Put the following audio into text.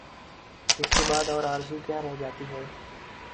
اس کے بعد اور آرزو کیا رہ جاتی ہے؟